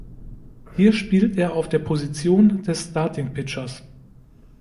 Hier spielt er auf der Position des Starting-Pitchers.